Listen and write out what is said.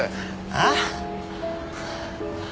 ああ！？